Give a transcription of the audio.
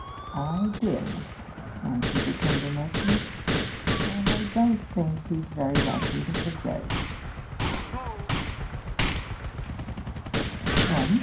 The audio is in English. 'I did,' answered the timber merchant, 'and I don't think he's very likely to forget it.'